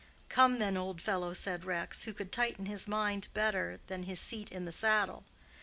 "Come then, old fellow," said Rex, who could tighten his mind better than his seat in the saddle.